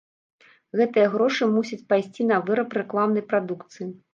Гэтыя грошы мусяць пайсці на выраб рэкламнай прадукцыі.